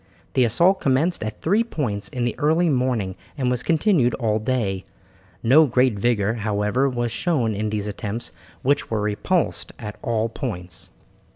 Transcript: The assault commenced at three points in the early morning and was continued all day. No great vigour, however, was shown in these attempts which were repulsed at all points.